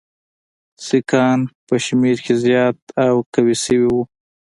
سیکهان په شمېر کې زیات او قوي شوي وو.